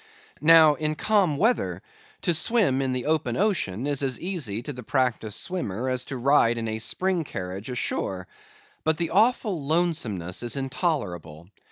Now, in calm weather, to swim in the open ocean is as easy to the practised swimmer as to ride in a spring carriage ashore. But the awful lonesomeness is intolerable.